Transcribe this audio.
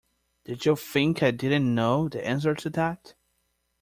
Did you think I didn’t know the answer to that?